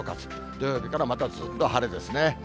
土曜日からまたずっと晴れですね。